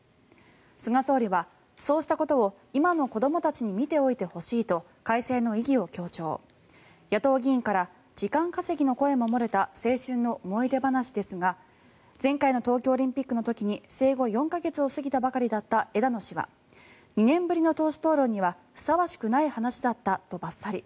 菅総理はそうしたことを今の子どもたちに見ておいてほしいと開催の意義を強調野党議員から時間稼ぎの声も漏れた青春の思い出話ですが前回の東京オリンピックの時に生後４か月を過ぎたばかりだった枝野氏は２年ぶりの党首討論にはふさわしくない話だったとバッサリ。